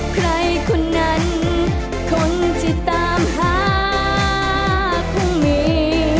ใครคนนั้นก็คนที่ตามหาเพราะมี